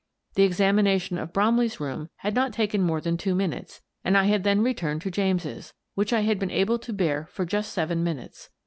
The examination of Bromley's room had not taken more than two minutes, and I had then returned to James's, which I had been able to bear for just seven minutes.